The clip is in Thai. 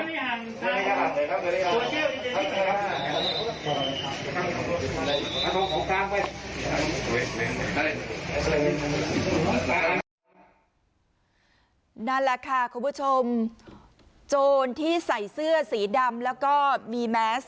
นั่นแหละค่ะคุณผู้ชมโจรที่ใส่เสื้อสีดำแล้วก็มีแมส